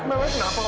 kenapa kau andara